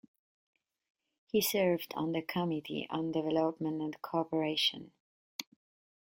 He served on the Committee on Development and Cooperation.